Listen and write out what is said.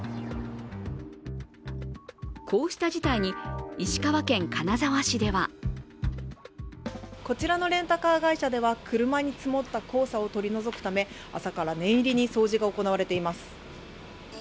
こうした事態に、石川県金沢市ではこちらのレンタカー会社では車に積もった黄砂を取り除くため朝から念入りに掃除が行われています。